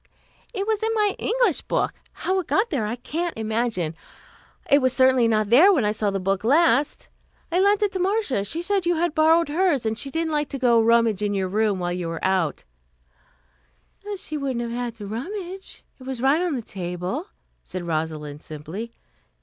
"It was in my English book. How it got there I can't imagine. It was certainly not there when I saw the book last. I lent it to Marcia. She said you had borrowed hers, and she didn't like to go and rummage in your room while you were out " "She wouldn't have had to rummage. It was right on the table," said Rosalind simply.